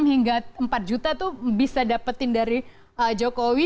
enam hingga empat juta tuh bisa dapetin dari jokowi